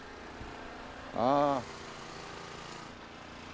ああ。